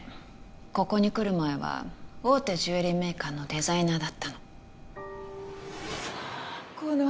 ここに来る前は大手ジュエリーメーカーのデザイナーだったのこのアメジスト